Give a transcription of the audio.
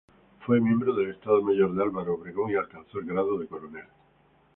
Fue miembro del Estado Mayor de Álvaro Obregón y alcanzó el grado de coronel.